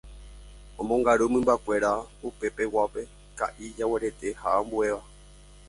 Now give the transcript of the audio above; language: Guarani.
omongaru mymbakuéra upepeguápe, ka'i, jaguarete ha ambuéva.